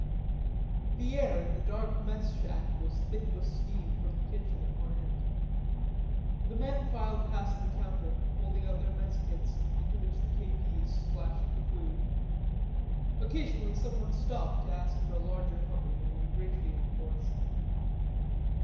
The air in the dark mess shack was thick with steam from the kitchen at one end. The men filed past the counter, holding out their mess kits, into which the K. P.'s splashed the food. Occasionally someone stopped to ask for a larger helping in an ingratiating voice.